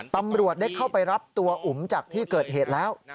ตำรวจได้เข้าไปรับตัวอุ๋มจากที่เกิดเหตุแล้ว